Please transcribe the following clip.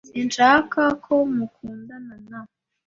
Sinshaka ko mukundana na